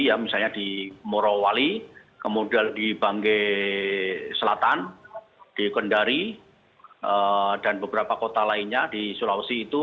ya misalnya di morowali kemudian di bangge selatan di kendari dan beberapa kota lainnya di sulawesi itu